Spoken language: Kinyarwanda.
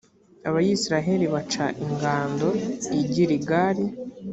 abayisraheli baca ingando i giligali,